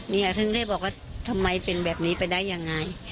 ถึงได้บอกว่าทำไมเป็นแบบนี้ไปได้ยังไง